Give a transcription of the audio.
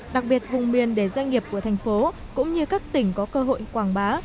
đặc biệt vùng miền để doanh nghiệp của thành phố cũng như các tỉnh có cơ hội quảng bá